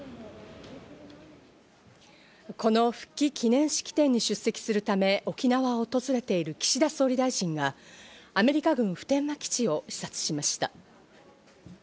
この復帰記念式典に出席するため、沖縄を訪れている岸田総理大臣がアメリカ軍普天間基地を視察しました。